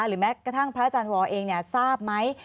หรือแม้กระทั่งพระอาจารย์วอลเองเนี่ยทราบไหม